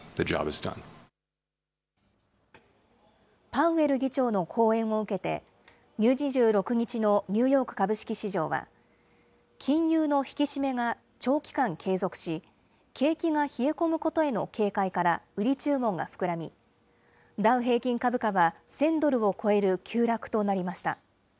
パウエル議長の講演を受けて、２６日のニューヨーク株式市場は、金融の引き締めが長期間継続し、景気が冷え込むことへの警戒から売り注文が膨らみ、ダウ平均株価は１０００ドルを超える急落となりました。